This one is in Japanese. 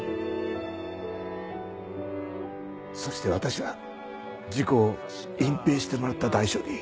そして私は事故を隠ぺいしてもらった代償に。